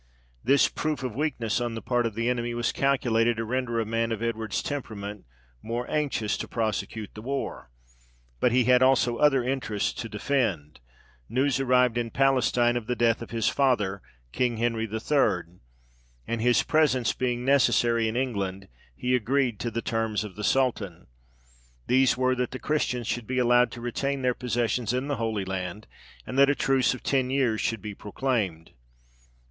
This proof of weakness on the part of the enemy was calculated to render a man of Edward's temperament more anxious to prosecute the war; but he had also other interests to defend. News arrived in Palestine of the death of his father, King Henry III.; and his presence being necessary in England, he agreed to the terms of the sultan. These were, that the Christians should be allowed to retain their possessions in the Holy Land, and that a truce of ten years should be proclaimed.